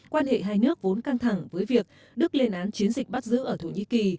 quan hệ hai nước vốn căng thẳng với việc đức lên án chiến dịch bắt giữ ở thổ nhĩ kỳ